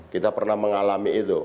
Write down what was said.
kita pernah mengalami itu